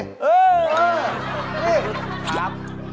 สาม